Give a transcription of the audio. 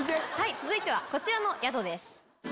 続いてはこちらの宿です。